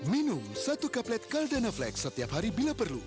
minum satu kaplet caldana flex setiap hari bila perlu